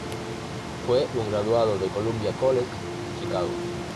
Fue un graduado de Columbia College Chicago.